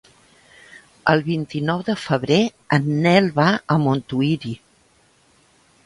El vint-i-nou de febrer en Nel va a Montuïri.